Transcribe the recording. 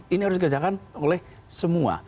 ini harus dikerjakan oleh semua